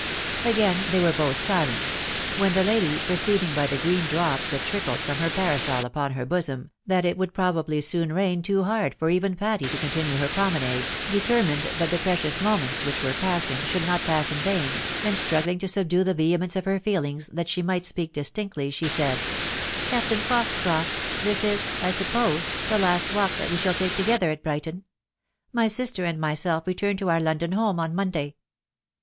Again they were both silent ; when the lady, perceiving by the green drops that trickled from her parasol upon her bosom, that it would probably soon rain too hard for even Patty to continue her promenade, determined that the precious moments 'fX/y /■'>^/ {i. /'. (yy/x/'o^j^^/rru/ ^<^' cX >i^ ./'•a.ts.£'^/jJ^ f'</^P' A DILEMMA. 201 wMch were passing, should not pass in vain, and struggling to subdue the vehemence of her feelings, that she might speak distinctly, she said, " Captain Foxoroft, this is, I suppose, the last walk that we shall take together at Brighton. My sister and myself return to our London home on Monday."